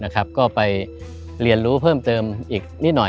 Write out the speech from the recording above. ก็ไปเรียนรู้เพิ่มเติมอีกนิดหน่อย